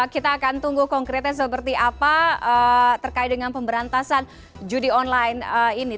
kita akan tunggu konkretnya seperti apa terkait dengan pemberantasan judi online ini